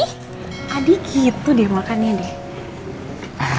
adik gitu dia makannya deh